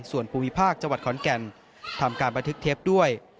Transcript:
ส่วนภูมิภาคจังหวัดขอนแก่นทำการบันทึกเทปด้วย